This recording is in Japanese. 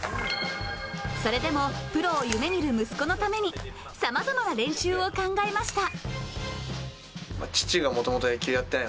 それでもプロを夢見る息子のためにさまざまな練習を考えました。